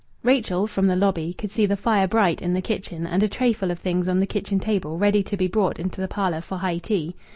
Rachel from the lobby could see the fire bright in the kitchen, and a trayful of things on the kitchen table ready to be brought into the parlour for high tea.